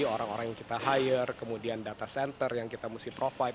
orang orang yang kita hire kemudian data center yang kita mesti provide